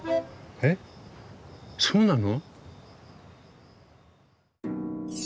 えっそうなの？